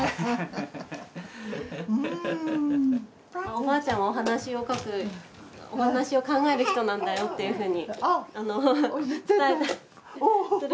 おばあちゃんはお話を書くお話を考える人なんだよっていうふうに伝えたりするんですけど。